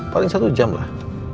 paling satu jam lah